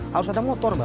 harus ada motor mbak